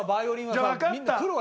じゃあわかった！